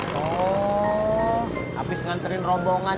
pakai itu kenapa t irgendwann